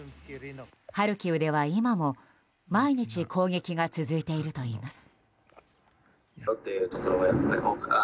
ハルキウでは今も、毎日攻撃が続いているといいます。